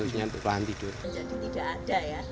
jadi tidak ada ya